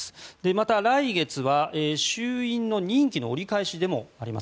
また、来月は衆院の任期の折り返しでもあります。